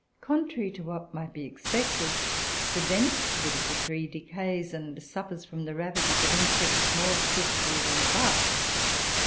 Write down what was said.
Contrary to what might be expected, the dense wood of the tree decays, and suffers from the ravages of insects, more swiftly than the bark.